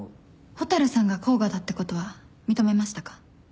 蛍さんが甲賀だってことは認めましたか？